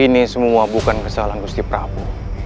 ini semua bukan kesalahan gusti prabu